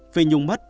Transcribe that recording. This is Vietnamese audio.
phi nhung mất